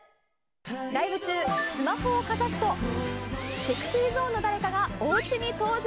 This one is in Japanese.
ライブ中、スマホをかざすとＳｅｘｙＺｏｎｅの誰かが、おうちに登場。